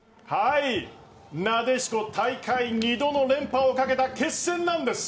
なでしこ大会２度の連覇をかけた決戦なんです！